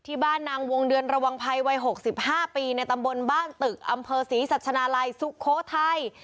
นางวงเดือนระวังภัยวัย๖๕ปีในตำบลบ้านตึกอำเภอศรีสัชนาลัยสุโขทัย